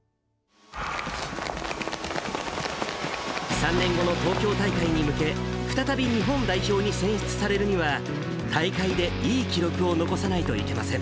３年後の東京大会に向け、再び日本代表に選出されるには、大会でいい記録を残さないといけません。